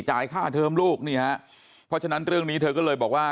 จ่ายค่าเทิมลูกนี่ฮะเพราะฉะนั้นเรื่องนี้เธอก็เลยบอกว่า